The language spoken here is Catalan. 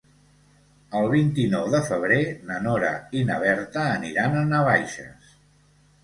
El vint-i-nou de febrer na Nora i na Berta aniran a Navaixes.